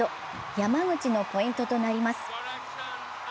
山口のポイントとなります。